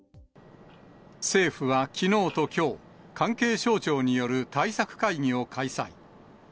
政府はきのうときょう、関係省庁による対策会議を開催。